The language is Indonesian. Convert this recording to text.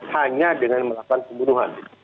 hanya dengan melakukan pembunuhan